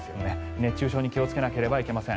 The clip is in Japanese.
熱中症に気をつけなければいけません。